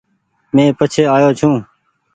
مينٚ پڇي آئو ڇوٚنٚ